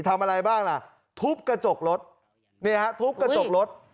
ทำอะไรบ้างล่ะทุบกระจกรถเนี่ยฮะทุบกระจกรถ